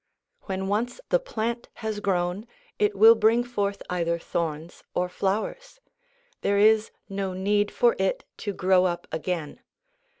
When once the plant has grown it will bring forth either thorns or flowers; there is no need for it to grow up again.